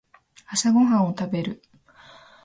朝ごはんを食べる